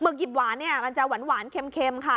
หมึกหยิบหวานมันจะหวานเข็มค่ะ